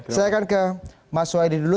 saya akan ke mas waidi dulu